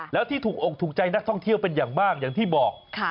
แล้วที่ถูกอกถูกใจนักท่องเที่ยวเป็นอย่างมากอย่างที่บอก